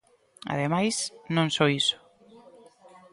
Ademais, non só iso.